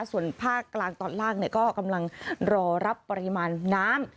ส่วนภาคกลางตอนล่างก็กำลังรอรับปริมาณน้ำ